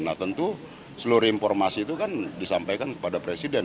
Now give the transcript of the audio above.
nah tentu seluruh informasi itu kan disampaikan kepada presiden